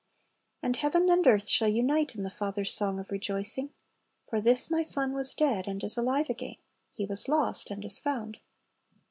"^ And heaven and earth shall unite in the Father's song of rejoicing: "For this My son was dead, and is alive again; he was lost, and is found."